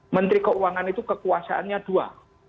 menteri keuangan itu kekuasaannya dua